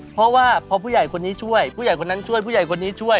เพราะว่าพอผู้ใหญ่คนนี้ช่วยผู้ใหญ่คนนั้นช่วยผู้ใหญ่คนนี้ช่วย